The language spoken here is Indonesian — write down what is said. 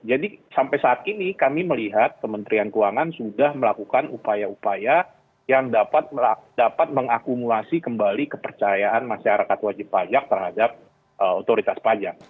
jadi sampai saat ini kami melihat kementerian keuangan sudah melakukan upaya upaya yang dapat mengakumulasi kembali kepercayaan masyarakat wajib pajak terhadap otoritas pajak